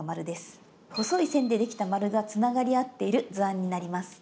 細い線でできた丸がつながり合っている図案になります。